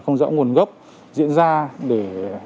không rõ nguồn gốc diễn ra để